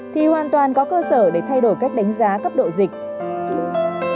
thì hoàn toàn có cơ sở để thay đổi cách đánh giá cấp độ dịch